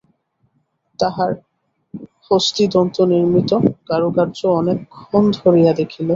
তাহার হস্তিদন্তনির্মিত কারুকার্য অনেকক্ষণ ধরিয়া দেখিল।